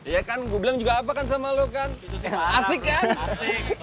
ya kan gue bilang juga apa kan sama lo kan asik kan